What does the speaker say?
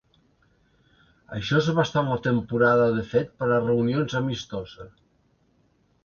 Això és bastant la temporada de fet per a reunions amistosa.